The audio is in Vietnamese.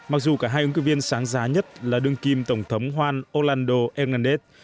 mặc dù cả hai ứng cử viên sáng giá nhất là đương kim tổng thống juan orlando hernandez